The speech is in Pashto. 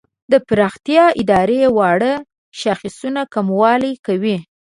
د پرمختیا دا درې واړه شاخصونه کموالي کوي.